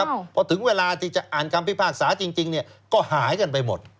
พอถึงเวลาที่จะอ่านคำพิพากษาจริงเนี่ยก็หายกันไปหมด